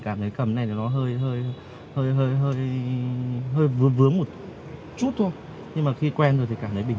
cảm thấy cầm này nó hơi hơi hơi hơi hơi vướng một chút thôi nhưng mà khi quen rồi thì cảm thấy bình